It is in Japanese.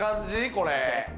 これ。